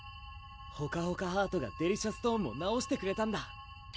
ほかほかハートがデリシャストーンも直してくれたんだ